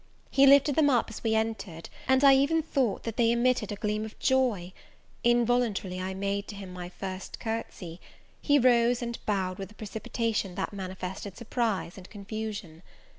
He lifted them up as we entered, and I even thought that they emitted a gleam of joy: involuntarily I made to him my first courtesy; he rose and bowed with a precipitation that manifested surprise and confusion.